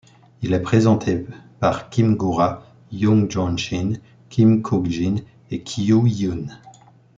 Il est présenté par Kim Gu-ra, Yoon Jong-shin, Kim Kook-jin et Kyuhyun.